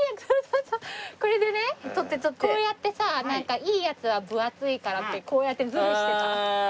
これでねこうやってさいいやつは分厚いからってこうやってズルしてた。